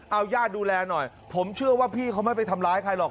เอาญาติดูแลหน่อยผมเชื่อว่าพี่เขาไม่ไปทำร้ายใครหรอก